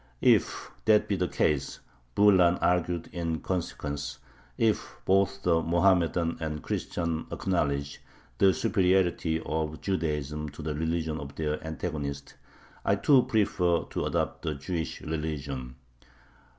"If that be the case," Bulan argued in consequence, "if both the Mohammedan and the Christian acknowledge the superiority of Judaism to the religion of their antagonist, I too prefer to adopt the Jewish religion."